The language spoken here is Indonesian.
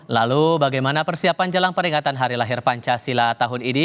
lalu bagaimana persiapan jelang peringatan hari lahir pancasila tahun ini